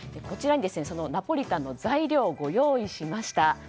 こちらにナポリタンの材料をご用意しました。